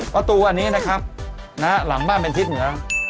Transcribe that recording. ประตูอันนี้นะครับหลังบ้านเป็นทิศเหนือ